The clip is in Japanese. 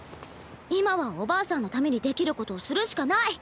今はおばあさんのためにできることをするしかない。